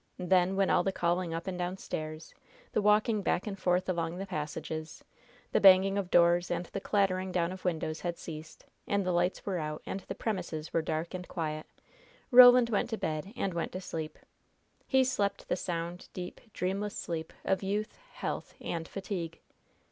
Then, when all the calling up and down stairs, the walking back and forth along the passages, the banging of doors and the clattering down of windows had ceased, and the lights were out and the premises were dark and quiet, Roland went to bed and went to sleep. He slept the sound, deep, dreamless sleep of youth, health and fatigue.